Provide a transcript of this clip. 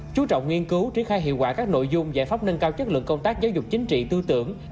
chú trọng nghiên cứu triển khai hiệu quả các nội dung giải pháp nâng cao chất lượng công tác giáo dục chính trị tư tưởng